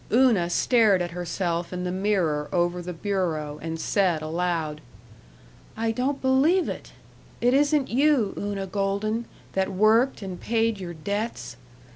Una stared at herself in the mirror over the bureau, and said, aloud: "I don't believe it! It isn't you, Una Golden, that worked, and paid your debts.